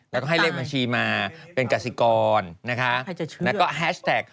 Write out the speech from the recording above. แล้วก็ให้เลขบัญชีมาเป็นกสิกรนะคะแล้วก็แฮชแท็ก